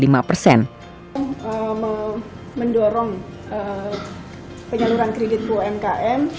mendorong penyaluran kredit umkm